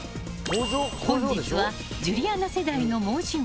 本日はジュリアナ世代の申し子